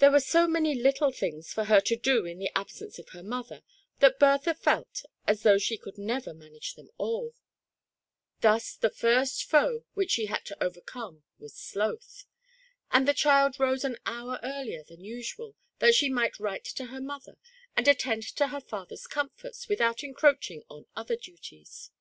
There were so many little things for her to do in the absence of her mother, that Bertha felt as though she never could manage them alL Thus the first foe which slie had to overcome was Sloth ; and the child rose an hour earlier than usual, that she might write to her mother and attend to her father's comforts without en croaching on other duties.